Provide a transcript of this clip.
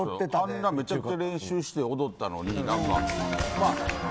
あんなめちゃくちゃ練習して踊ったのに。